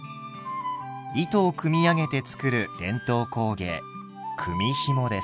糸を組み上げて作る伝統工芸組みひもです。